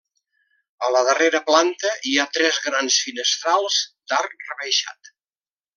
A la darrera planta, hi ha tres grans finestrals d'arc rebaixat.